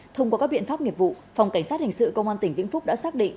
thông qua các biện pháp nghiệp vụ phòng cảnh sát hình sự công an tỉnh vĩnh phúc đã xác định